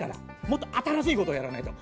もっと新しい事をやらないと。